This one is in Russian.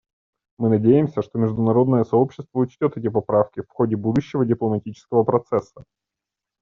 Мы надеемся, что международное сообщество учтет эти поправки в ходе будущего дипломатического процесса.